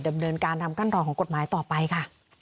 ดำเนินการทำกั้นรองของกฎหมายต่อไปค่ะ